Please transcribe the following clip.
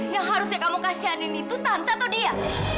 yang harusnya kamu kasihanin itu tante atau dia